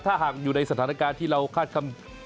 ถ้าหากอยู่ในสถานการณ์ที่เราคาดคำ